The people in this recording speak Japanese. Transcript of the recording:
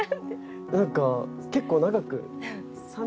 なんか結構長く。